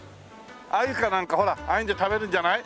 アユかなんかほらああいうので食べるんじゃない？